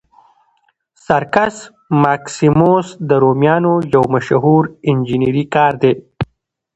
سرکس ماکسیموس د رومیانو یو مشهور انجنیري کار دی.